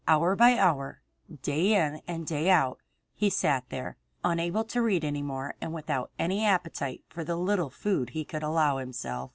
Hour by hour, day in and day out, he sat there, unable to read any more and without any appetite for the little food he could allow himself.